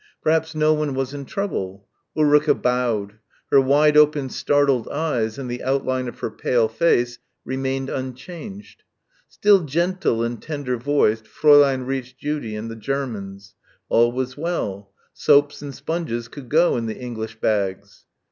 Perhaps no one was in trouble. Ulrica bowed. Her wide open startled eyes and the outline of her pale face remained unchanged. Still gentle and tender voiced Fräulein reached Judy and the Germans. All was well. Soaps and sponges could go in the English bags.